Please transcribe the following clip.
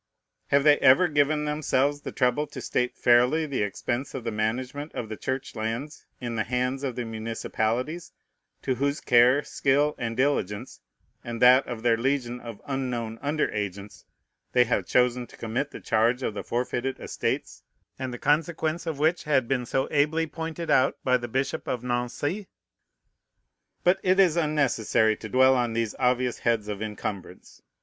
Have they ever given themselves the trouble to state fairly the expense of the management of the Church lands in the hands of the municipalities, to whose care, skill, and diligence, and that of their legion of unknown under agents, they have chosen to commit the charge of the forfeited estates, and the consequence of which had been so ably pointed out by the Bishop of Nancy? But it is unnecessary to dwell on these obvious heads of incumbrance.